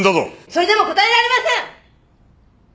それでも答えられません！